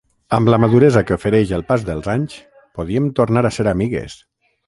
Amb la maduresa que ofereix el pas dels anys, podíem tornar a ser amigues!